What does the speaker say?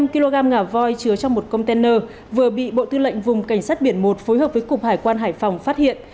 một trăm hai mươi năm kg ngả voi chứa trong một container vừa bị bộ tư lệnh vùng cảnh sát biển i phối hợp với cục hải quan hải phòng phát hiện